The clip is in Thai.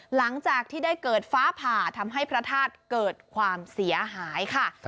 หลังจากที่ได้เกิดฟ้าผ่าทำให้พระธาตุเกิดความเสียหายค่ะ